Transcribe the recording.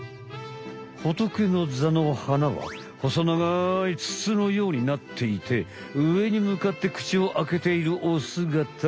ホトケノザの花は細長いつつのようになっていて上にむかって口をあけているおすがた。